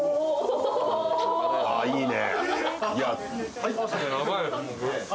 いいね。